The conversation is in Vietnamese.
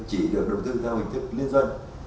chỉ được đầu tư theo hình thức liên doanh